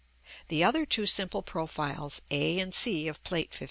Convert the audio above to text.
(The other two simple profiles, a and c of Plate XV.